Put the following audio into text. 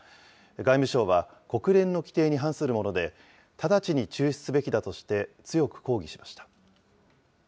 外務省は、国連の規定に反するもので、直ちに中止すべきだとして強く抗議しました。